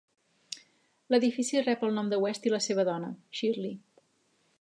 L'edifici rep el nom de West i de la seva dona, Shirley.